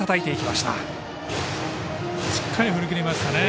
しっかり振り切りましたね。